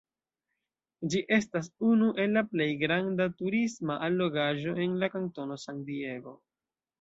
Ĝi estas unu el la plej granda turisma allogaĵo en la kantono San Diego.